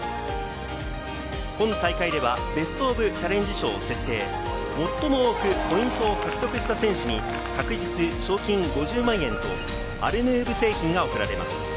今大会ではベスト・オブ・チャレンジ賞を設定、最も多くポイントを獲得した選手に、各日賞金５０万円とアルヌーブ製品が贈られます。